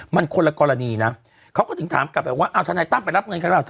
มันคนละกรณีนะเขาก็ถึงถามกับว่าอ้าวทนาต้าไปรับเงินกันหรือเปล่า